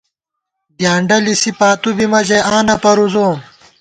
ڈیانڈہ لِسی پاتُو بِمہ ژَئی آں نہ پَرُوزوم